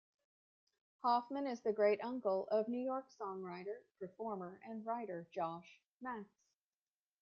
Hoffman is the great Uncle of New York songwriter, performer and writer Josh Max.